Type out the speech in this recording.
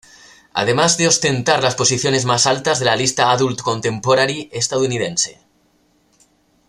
Además de ostentar las posiciones más altas de la lista "Adult Contemporary" estadounidense.